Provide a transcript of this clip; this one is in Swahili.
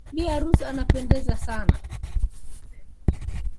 bi arusi anapendeza sana.